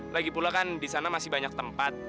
lagipula kan di sana masih banyak tempat